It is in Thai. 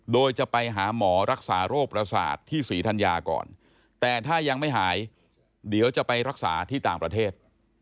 โดยจะไปหาหมอรักษาโรคประสาทที่ศรีธัญญาก่อนแต่ถ้ายังไม่หายเดี๋ยวจะไปรักษาที่ต่างประเทศ